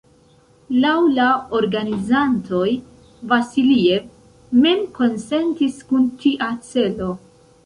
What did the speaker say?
Laŭ la organizantoj, Vasiljev mem konsentis kun tia celo.